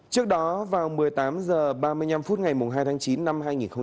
trước đó vào một mươi tám h ba mươi năm ngày hai tháng chín năm hai nghìn một mươi tám